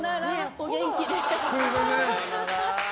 お元気で。